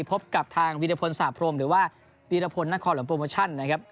พบกับทางวีรพลสาพรมหรือว่าวีรพลนครหลวงโปรโมชั่นนะครับ